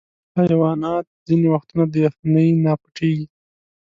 حیوانات ځینې وختونه د یخني نه پټیږي.